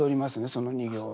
その２行は。